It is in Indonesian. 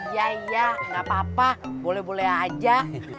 iya iya nggak apa apa boleh boleh aja